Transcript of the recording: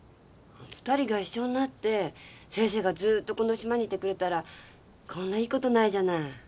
二人が一緒になって先生がずーっとこの島にいてくれたらこんないいことないじゃない。